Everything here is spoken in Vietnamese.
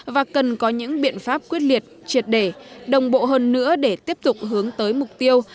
và cần có những biện pháp quyết liệt triệt đề đồng bộ hơn nữa để tiếp tục hướng tới mục tiêu